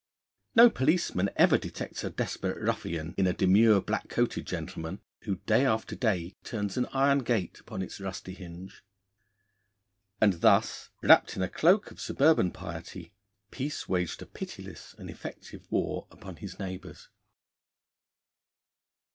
No policeman ever detects a desperate ruffian in a demure black coated gentleman who day after day turns an iron gate upon its rusty hinge. And thus, wrapt in a cloak of suburban piety, Peace waged a pitiless and effective war upon his neighbours.